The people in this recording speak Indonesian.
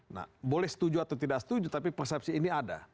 nah boleh setuju atau tidak setuju tapi persepsi ini ada